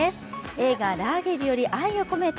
映画「ラーゲリより愛を込めて」